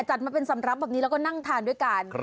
จัดมาเป็นสำรับแบบนี้แล้วก็นั่งทานด้วยกัน